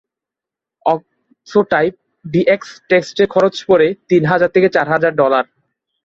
Oncotype DX টেস্টে খরচ পড়ে তিন হাজার থেকে চার হাজার ডলার।